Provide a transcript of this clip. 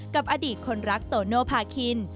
กับอดีตคนรักโตโนภาคิน